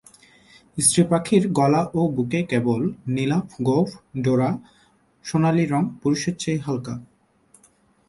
স্ত্রী পাখির গলা ও বুকে কেবল নীলাভ গোঁফ-ডোরা, সোনালি রং পুরুষের চেয়ে হালকা।